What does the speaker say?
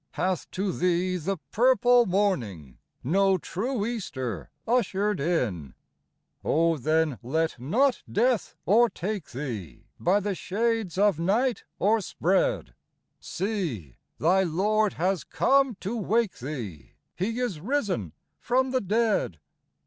Hath to thee the purple morning No true Easter ushered in ? Oh, then, let not death o'ertake thee By the shades of night o'erspread : See ! thy Lord has come to wake thee, He is risen from the dead.